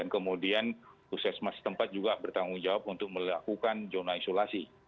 kemudian puskesmas tempat juga bertanggung jawab untuk melakukan zona isolasi